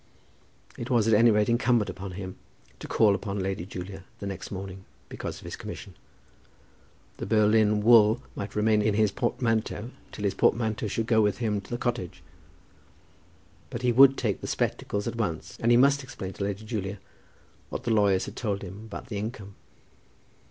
It was at any rate incumbent upon him to call upon Lady Julia the next morning, because of his commission. The Berlin wool might remain in his portmanteau till his portmanteau should go with him to the cottage; but he would take the spectacles at once, and he must explain to Lady Julia what the lawyers had told him about the income.